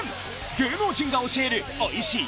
芸能人が教えるおいしい！